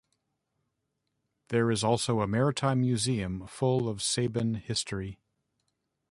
There is also a maritime museum full of Saban history.